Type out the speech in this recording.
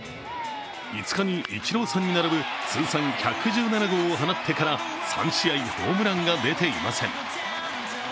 ５日にイチローさんに並ぶ通算１１７号を放ってから３試合ホームランが出ていません。